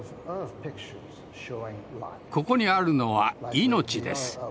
ここにあるのは命です。